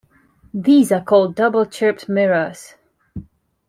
These are called double-chirped mirrors.